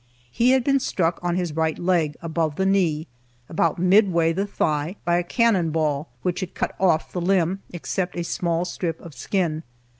He had been struck on his right leg, above the knee, about mid way the thigh, by a cannon ball, which had cut off the limb, except a small strip of skin.